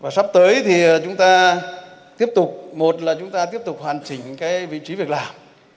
sắp tới thì chúng ta tiếp tục một là chúng ta tiếp tục hoàn chỉnh vị trí việc làm